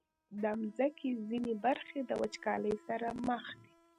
د مځکې ځینې برخې د وچکالۍ سره مخ دي.